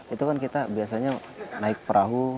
itu kan kita biasanya naik perahu